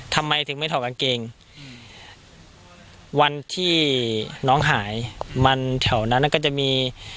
ทำไมถึงไม่ถอดกางเกงวันที่น้องหายมันแถวนั้นก็จะมี